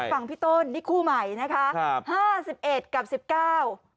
ฝั่งพี่ต้นนี่คู่ใหม่นะคะครับห้าสิบเอ็ดกับสิบเก้า